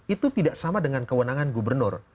itu tidak sama dengan kewenangan gubernur